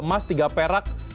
dua emas tiga perak